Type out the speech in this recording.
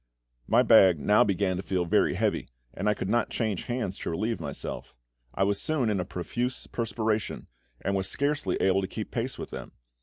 My bag now began to feel very heavy, and I could not change hands to relieve myself. I was soon in a profuse perspiration, and was scarcely able to keep pace with them.